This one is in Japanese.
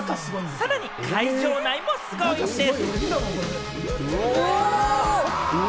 さらに会場内もすごいんです。